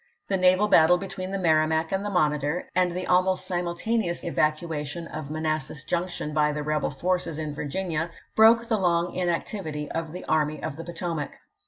The naval battle between the Merrimac and the Monitor^ and the almost simultaneous evacuation of Manassas Junction by the rebel forces in Virginia, broke the long inactivity of the Army of the Poto mac.